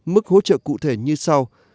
mức hỗ trợ cụ thể như sau